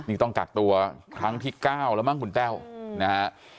นี่ต้องกักตัวครั้งที่๙แล้วมั้งคุณแต้วนะฮะ